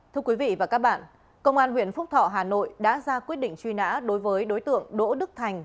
thưa quý vị và các bạn công an huyện phúc thọ hà nội đã ra quyết định truy nã đối với đối tượng đỗ đức thành